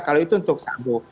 kalau itu untuk sambung